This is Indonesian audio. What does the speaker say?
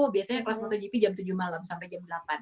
biasanya kelas motogp jam tujuh malam sampai jam delapan